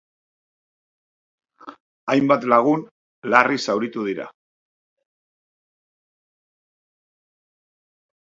Hainbat lagun larri zauritu dira.